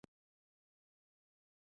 换我出场呀！